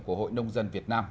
của hội nông dân việt nam